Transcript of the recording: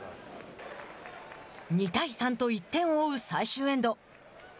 ２対３と１点を追う最終エンド。